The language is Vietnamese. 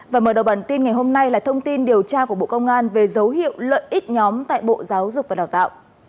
và mở đầu bản tin ngày hôm nay là thông tin điều tra của bộ công an về dấu hiệu lợi ích nhóm tại bộ giáo dục và đào tạo